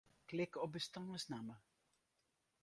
Klik op bestânsnamme.